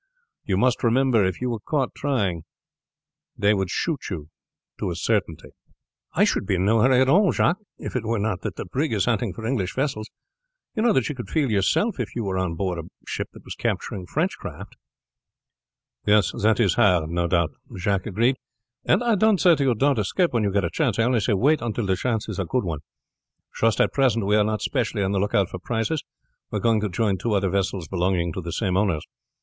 You must remember if you were caught trying it they would shoot you to a certainty." "I should be in no hurry at all, Jacques, if it were not that the brig is hunting for English vessels. You know what you would feel yourself if you were on board a ship that was capturing French craft." "Yes, that is hard, no doubt," Jacques agreed; "and I don't say to you don't escape when you get a chance, I only say wait until the chance is a good one. Just at present we are not specially on the lookout for prizes. We are going to join two other vessels belonging to the same owners.